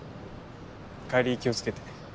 帰り気をつけてね。